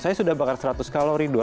saya sudah bakar seratus kalori